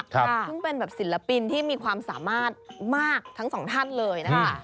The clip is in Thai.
ซึ่งเป็นแบบศิลปินที่มีความสามารถมากทั้งสองท่านเลยนะคะ